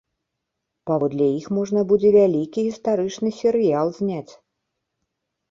Паводле іх можна будзе вялікі гістарычны серыял зняць!